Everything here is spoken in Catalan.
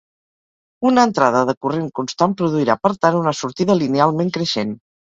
Una entrada de corrent constant produirà, per tant, una sortida linealment creixent.